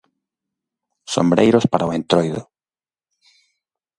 Sombreiros para o Entroido.